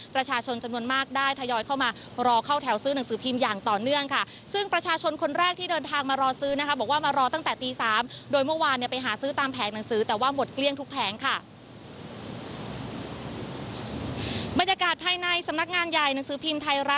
ประชาชนจำนวนมากได้ทยอยเข้ามารอเข้าแถวซื้อหนังสือพิมพ์อย่างต่อเนื่องค่ะ